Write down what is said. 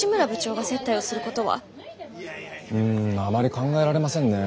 うんあまり考えられませんね。